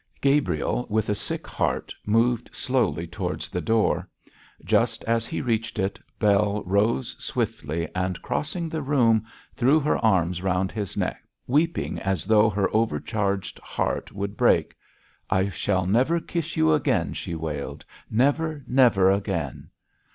Gabriel, with a sick heart, moved slowly towards the door. Just as he reached it, Bell rose swiftly, and crossing the room threw her arms round his neck, weeping as though her overcharged heart would break. 'I shall never kiss you again,' she wailed,'never, never again!'